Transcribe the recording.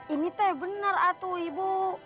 ini teh benar atu ibu